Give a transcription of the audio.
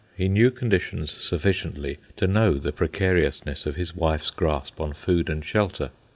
He knew conditions sufficiently to know the precariousness of his wife's grasp on food and shelter.